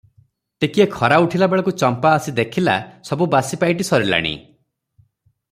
ଟିକିଏ ଖରା ଉଠିଲା ବେଳକୁ ଚମ୍ପା ଆସି ଦେଖିଲା, ସବୁ ବାସି ପାଇଟି ସରିଲାଣି ।